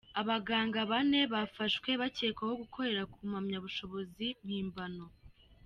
Abaganga bane bafashwe bakekwaho gukorera ku mpamyabushobozi mpimbano